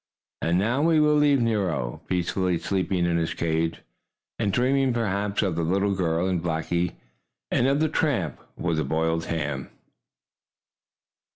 And now we will leave Nero peacefully sleeping in his cage, and dreaming, perhaps, of the little girl and Blackie and of the tramp with the boiled ham.